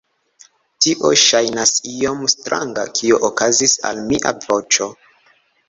Tio ŝajnas iom stranga kio okazis al mia voĉo